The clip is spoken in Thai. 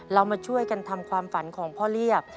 เรามาช่วยกันทำความฝันของพ่อเรียบ